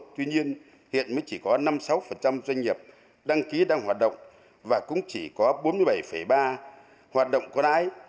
tuy nhiên hiện mới chỉ có năm sáu doanh nghiệp đăng ký đang hoạt động và cũng chỉ có bốn mươi bảy ba hoạt động còn ai